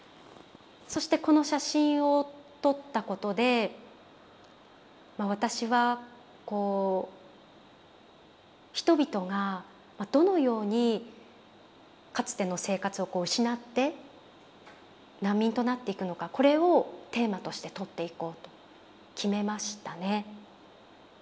そしてこの写真を撮ったことで私はこう人々がどのようにかつての生活を失って難民となっていくのかこれをテーマとして撮っていこうと決めましたね。